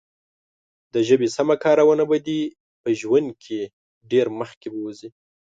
د ژبې سمه کارونه به دې ژوند کې ډېر مخکې بوزي.